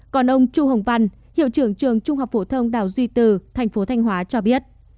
còn ông chu hồng văn hiệu trưởng trường trung học phổ thông đào duy từ thành phố thanh hóa cho biết